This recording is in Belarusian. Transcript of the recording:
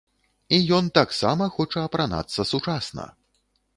І ён таксама хоча апранацца сучасна.